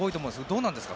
どうなんですか？